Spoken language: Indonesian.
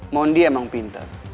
mondi emang pintar